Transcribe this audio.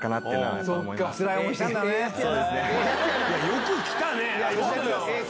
よく来たね！